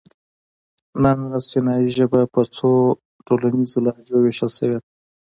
نن ورځ چینایي ژبه په څو ټولنیزو لهجو وېشل شوې ده.